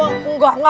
enggak enggak enggak